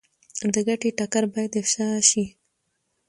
د ګټې ټکر باید افشا شي.